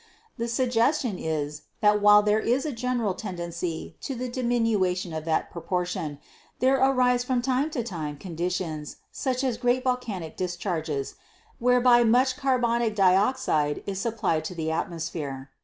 The suggestion is that while there is a gen eral tendency to the diminution of that proportion there arise from time to time conditions, such as great volcanic discharges, whereby much carbonic dioxide is supplied to the atmosphere.